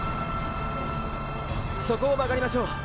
そこを曲がりましょう。